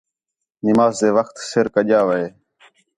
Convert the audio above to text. نماز تے وخت سِر کَڄّا وہے